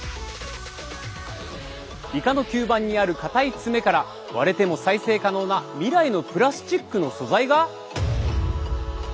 イカの吸盤にある硬い爪から割れても再生可能な未来のプラスチックの素材が！？